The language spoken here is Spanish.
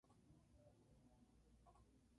sorprendiendo con una brillante exposición